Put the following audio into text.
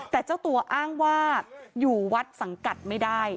แต่เจ้าตัวอ้างว่าอยู่วัดสังกัดไม่ได้